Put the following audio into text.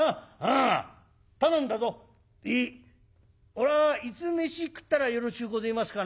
おらいつ飯食ったらよろしゅうごぜえますかな？」。